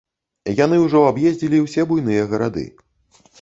Яны ўжо аб'ездзілі ўсе буйныя гарады.